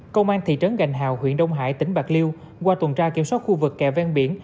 công an thị trấn gành hào huyện đông hải tỉnh bạc liêu qua tuần tra kiểm soát khu vực kè ven biển